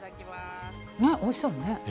おいしそうね。